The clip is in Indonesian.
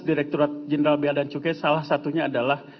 direkturat jn biacukai salah satunya adalah